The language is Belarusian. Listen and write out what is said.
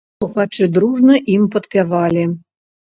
Слухачы дружна ім падпявалі.